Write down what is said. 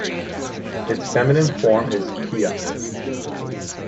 Its feminine form is Pia.